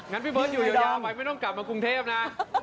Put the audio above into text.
พี่เบิร์ตอยู่ยาวไปไม่ต้องกลับมากรุงเทพนะ